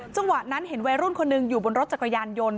จังหวะนั้นเห็นวัยรุ่นคนหนึ่งอยู่บนรถจักรยานยนต์